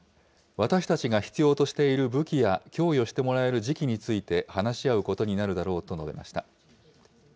私たちが必要としている武器や、供与してもらえる時期について話し合うことになるだろうと述べました。